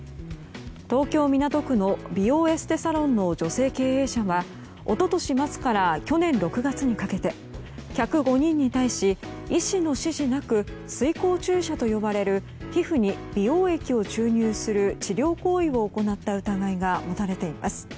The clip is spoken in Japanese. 東京・港区の美容エステサロンの女性経営者は一昨年末から去年６月にかけて客５人に対し医師の指示なく水光注射と呼ばれる皮膚に美容液を注入する治療行為を行った疑いが持たれています。